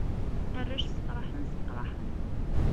Arrac ssefṛaḥen, sseqṛaḥen.